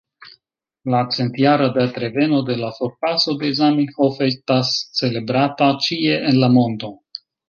La centjara datreveno de la forpaso de Zamenhof estas celebrata ĉie en la mondo.